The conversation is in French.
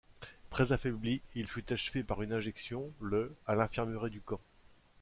Très affaibli, il fut achevé par une injection, le à l'infirmerie du camp.